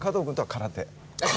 空手？